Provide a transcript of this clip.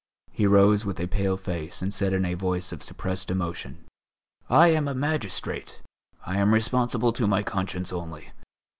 He rose with a pale face and said in a voice of suppressed emotion: "I am a magistrate. I am responsible to my conscience only.